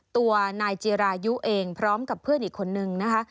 ตัวนายจีรายุเองพร้อมกับเพื่อนอีกคนนึงนะคะ